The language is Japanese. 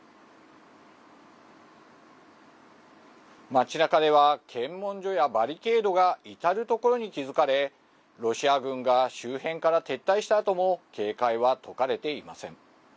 町なかでは、検問所やバリケードが至る所に築かれ、ロシア軍が周辺から撤退したあとも警戒は解かれていません。